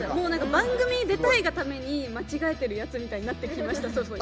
番組出たいがために間違えたやつみたいになってきました。